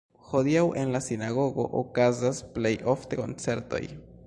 Hodiaŭ en la sinagogo okazas plej ofte koncertoj.